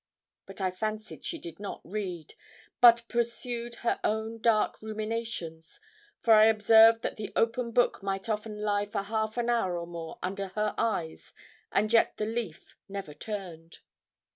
But I fancied she did not read, but pursued her own dark ruminations, for I observed that the open book might often lie for half an hour or more under her eyes and yet the leaf never turned.